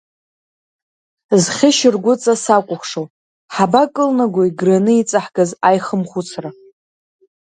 Зхьышьыргәыҵа сакәыхшоу, ҳабакылнагои граны иҵаҳгаз аихымхәыцра?